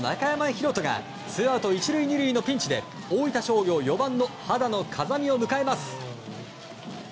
敬斗がツーアウト１塁２塁のピンチで大分商業、４番の羽田野颯未を迎えます。